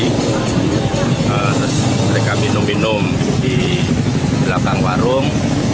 terus mereka minum minum di belakang warung